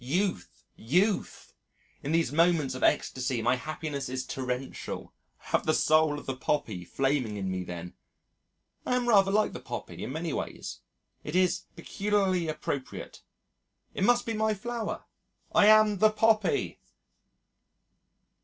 Youth! Youth!!! In these moments of ecstasy my happiness is torrential. I have the soul of the poppy flaming in me then. I am rather like the poppy in many ways.... It is peculiarly appropriate. It must be my flower! I am the poppy!!